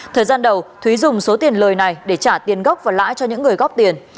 thời gian đầu thúy dùng số tiền lời này để trả tiền gốc và lãi cho những người góp tiền